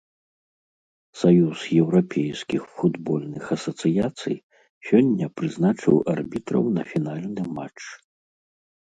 Саюз еўрапейскіх футбольных асацыяцый сёння прызначыў арбітраў на фінальны матч.